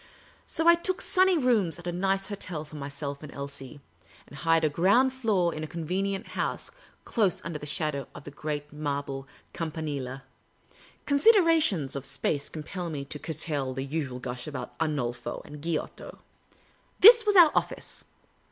So I took sunny rooms at a nice hotel for myself and Elsie, and hired a ground floor in a convenient house, close under the shadow of the great marble Campanile. (Con.siderations of space compel me to curtail the usual gush about Arnolfo and Giotto.) This was our office.